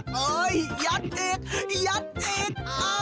โอ้โฮยัดอีกยัดอีก